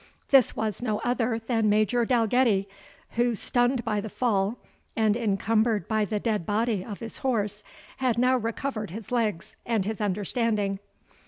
This was no other than Major Dalgetty, who, stunned by the fall, and encumbered by the dead body of his horse, had now recovered his legs and his understanding.